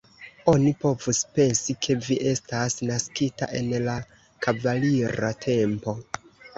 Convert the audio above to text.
Oni povus pensi, ke vi estas naskita en la kavalira tempo.